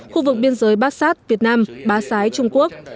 khu vực biên giới bát sát việt nam bá sái trung quốc